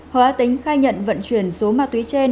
hờ a tính khai nhận vận chuyển số ma túy trên